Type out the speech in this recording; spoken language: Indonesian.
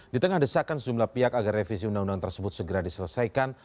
di tengah desakan sejumlah pihak agar revisi undang undang tersebut segera diselesaikan